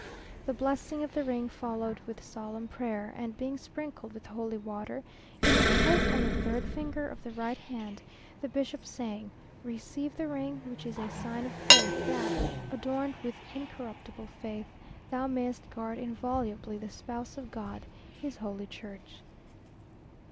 The blessing of the ring followed with solemn prayer, and being sprinkled with holy water, it was placed on the third finger of the right hand, the bishop saying, "Receive the ring, which is a sign of faith; that, adorned with incorruptible faith, thou mayest guard inviolably the spouse of God, his Holy Church."